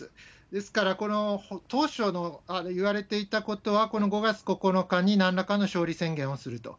ですからこの当初いわれていたことは、５月９日になんらかの勝利宣言をすると。